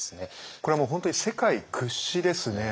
これはもう本当に世界屈指ですね。